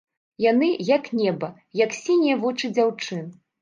Яны, як неба, як сінія вочы дзяўчын.